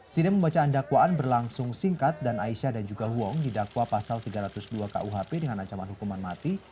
sidang pembacaan dakwaan berlangsung singkat dan aisyah dan juga huong didakwa pasal tiga ratus dua kuhp dengan ancaman hukuman mati